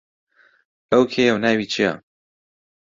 ئەو کێیە و ناوی چییە؟